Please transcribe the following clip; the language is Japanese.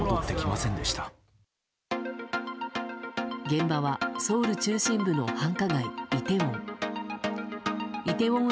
現場は、ソウル中心部の繁華街イテウォン。